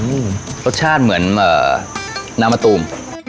อืมรสชาติเหมือนเอ่อน้ำตูม